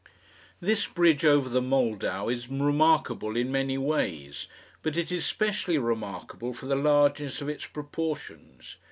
This bridge over the Moldau is remarkable in many ways, but it is specially remarkable for the largeness of its proportions.